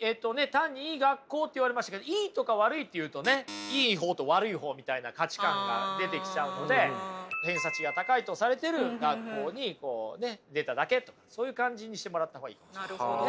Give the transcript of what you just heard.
えっとね単にいい学校って言われましたけどいいとか悪いって言うとねいい方と悪い方みたいな価値観が出てきちゃうので偏差値が高いとされている学校にこうね出ただけとかそういう感じにしてもらった方がいいかもしれませんね。